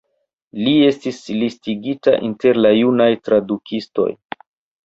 Li estis listigita inter la junaj tradukistoj.